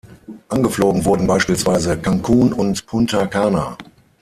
Angeflogen wurden beispielsweise Cancún und Punta Cana.